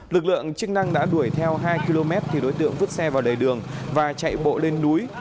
lực lượng chức năng đã đuổi theo hai km thì đối tượng vứt xe vào lề đường và chạy bộ lên núi